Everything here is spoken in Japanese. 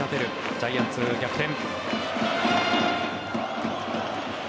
ジャイアンツ、逆転。